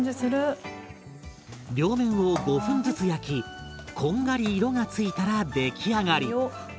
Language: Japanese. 両面を５分ずつ焼きこんがり色が付いたら出来上がり。